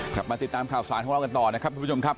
กลับมาติดตามข่าวสารของเรากันต่อนะครับทุกผู้ชมครับ